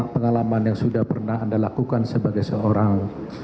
pengalaman yang sudah pernah anda lakukan sebagai seorang